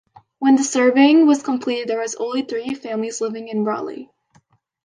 When the surveying was completed, there were only three families living in Raleigh.